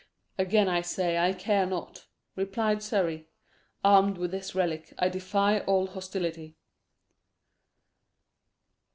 "Again I say I care not," replied Surrey. "Armed with this relic, I defy all hostility."